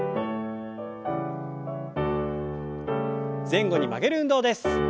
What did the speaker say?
前後に曲げる運動です。